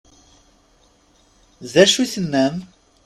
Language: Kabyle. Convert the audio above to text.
D acu i tennam?